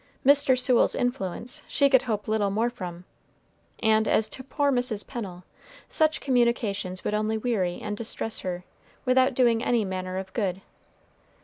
Mr. Sewell's influence she could hope little more from; and as to poor Mrs. Pennel, such communications would only weary and distress her, without doing any manner of good.